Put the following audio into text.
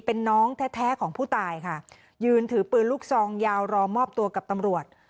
เป็นน้องแท้แท้ของผู้ตายค่ะยืนถือปืนลูกซองยาวรอมอบตัวกับตำรวจ